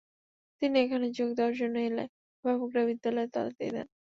তিনি এখানে যোগ দেওয়ার জন্য এলে অভিভাবকেরা বিদ্যালয়ে তালা দিয়ে দেন।